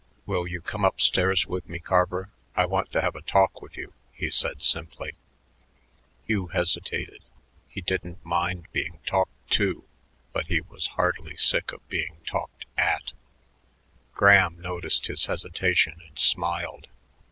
"Will you come up stairs with me, Carver? I want to have a talk with you," he said simply. Hugh hesitated. He didn't mind being talked to, but he was heartily sick of being talked at. Graham noticed his hesitation and smiled.